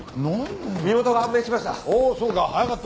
身元が判明しました。